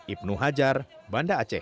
ibnu hajar banda aceh